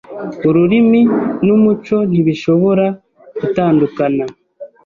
Ururimi numuco ntibishobora gutandukana.